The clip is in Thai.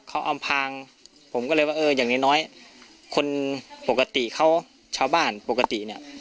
เขาอำพางผมก็เลยว่าเอออย่างน้อยคนปกติเขาชาวบ้านปกติเนี่ย